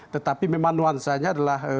tetapi memang nuansanya adalah